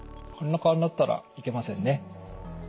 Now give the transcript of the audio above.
こんな顔になったらいけませんね。